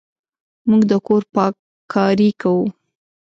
موږ د کور پاککاري کوو.